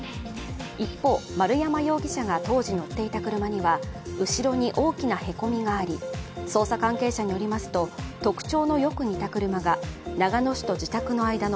一方、丸山容疑者が当時乗っていた車には、後ろに大きなへこみがあり、捜査関係者によりますと、特徴のよく似た車が長野市と自宅の間の